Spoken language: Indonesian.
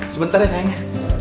sebentar ya sayangnya